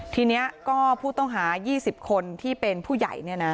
ทีนี้ก็ผู้ต้องหา๒๐คนที่เป็นผู้ใหญ่